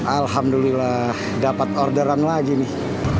alhamdulillah dapat orderan lagi nih